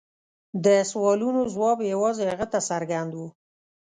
د سوالونو ځواب یوازې هغه ته څرګند و.